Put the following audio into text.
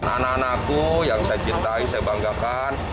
anak anakku yang saya cintai saya banggakan